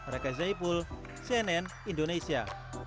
rekas zeypul cnn indonesia